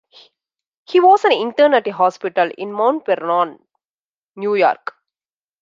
He was an intern at a hospital in Mount Vernon, New York.